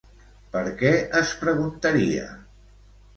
Per què es preguntaria?